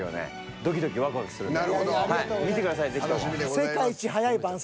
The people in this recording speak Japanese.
ドキドキワクワクするんで見てください是非とも。